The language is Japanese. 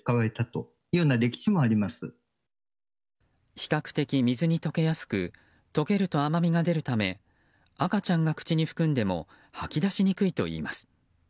比較的、水に溶けやすく溶けると甘みが出るため赤ちゃんが口に含んでも吐き出しにくいといいます。